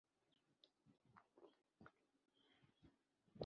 imvugo niyo ngiro mu Kinyarwanda